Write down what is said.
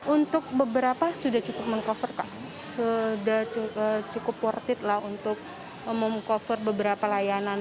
untuk beberapa sudah cukup meng cover sudah cukup worth it lah untuk meng cover beberapa layanan